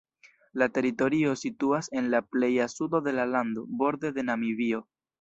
La teritorio situas en la pleja sudo de la lando, borde de Namibio.